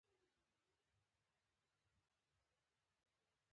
موږ په خپل نه لوست ثابته کړې ده.